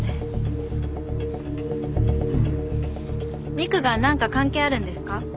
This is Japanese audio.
美玖がなんか関係あるんですか？